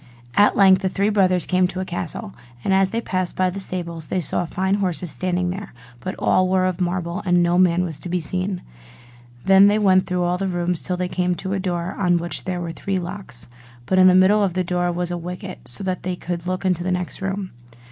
At length the three brothers came to a castle: and as they passed by the stables they saw fine horses standing there, but all were of marble, and no man was to be seen. Then they went through all the rooms, till they came to a door on which were three locks: but in the middle of the door was a wicket, so that they could look into the next room.